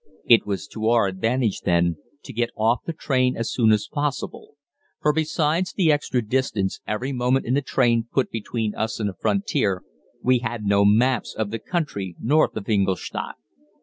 It was to our advantage, then, to get off the train as soon as possible; for, besides the extra distance every moment in the train put between us and the frontier, we had no maps of the country north of Ingolstadt.